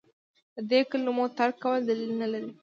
د دې کلمو ترک کول دلیل نه لري.